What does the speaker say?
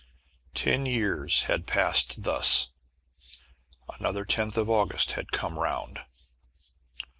Ten years had passed thus. Another tenth of August had come round!